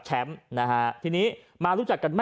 ก็ได้พลังเท่าไหร่ครับ